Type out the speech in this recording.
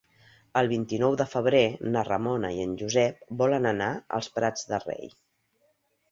El vint-i-nou de febrer na Ramona i en Josep volen anar als Prats de Rei.